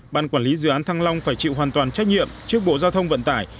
ban quản lý dự án thăng long phải chịu hoàn toàn trách nhiệm trước bộ giao thông vận tải